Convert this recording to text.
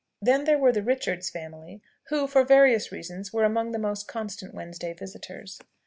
Then there were the Richards' family, who for various reasons were among the most constant Wednesday visitors.